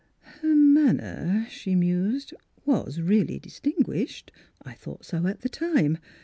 " Her manner," she mused, " was really distinguished. I thought so at the time.